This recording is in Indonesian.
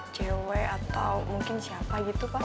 cewek atau mungkin siapa gitu pak